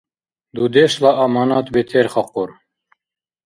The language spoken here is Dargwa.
Дудешла аманат бетерхахъур